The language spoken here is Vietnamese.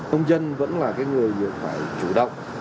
nông dân vẫn là cái người phải chủ động